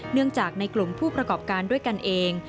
เนื่องจากในกลุ่มผู้ประกอบการด้วยกันเอง